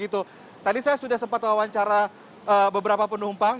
tadi saya sudah sempat wawancara beberapa penumpang